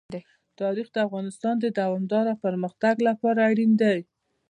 تاریخ د افغانستان د دوامداره پرمختګ لپاره اړین دي.